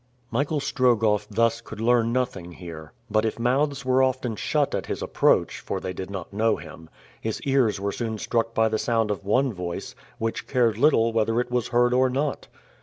Michael Strogoff thus could learn nothing here; but if mouths were often shut at his approach for they did not know him his ears were soon struck by the sound of one voice, which cared little whether it was heard or not.